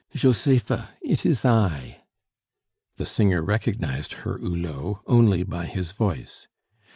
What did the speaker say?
"Josepha! it is I " The singer recognized her Hulot only by his voice.